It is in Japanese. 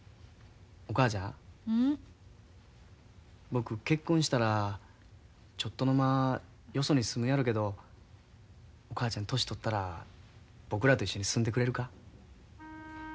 僕結婚したらちょっとのまよそに住むやろけどお母ちゃん年取ったら僕らと一緒に住んでくれるか？